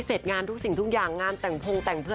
เศษงานทุกอย่างงานแต่งภงแต่งเพื่อน